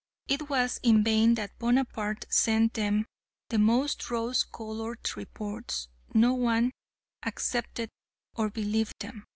It was in vain that Bonaparte sent them the most rose coloured reports; no one accepted or believed them.